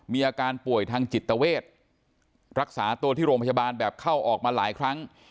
มีอาการป่วยทางจิตเวทรักษาตัวที่โรงพยาบาลแบบเข้าออกมาหลายครั้ง